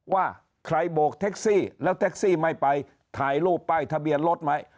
ว่าใครโบกแท็กซี่แล้วแท็กซี่ไม่ไปถ่ายรูปป้ายทะเบียนรถไหม